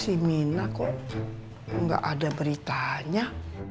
si mina kok gak ada beritanya